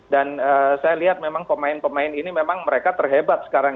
dan saya lihat memang pemain pemain ini memang mereka terhebat sekarang